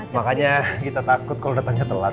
makanya kita takut kalau datangnya telat